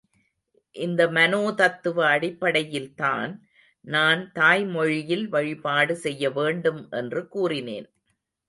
இந்த மனோதத்துவ அடிப்படையில்தான் நான் தாய்மொழியில் வழிபாடு செய்யவேண்டும் என்று கூறினேன்.